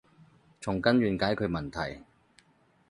從根源解決問題